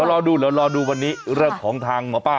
รอดูเดี๋ยวรอดูวันนี้เรื่องของทางหมอป้า